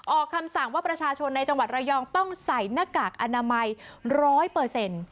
คำสั่งว่าประชาชนในจังหวัดระยองต้องใส่หน้ากากอนามัยร้อยเปอร์เซ็นต์